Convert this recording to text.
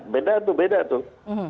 beda tuh beda tuh